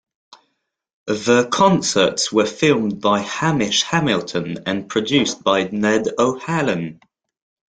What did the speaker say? The concerts were filmed by Hamish Hamilton and produced by Ned O'Hanlon.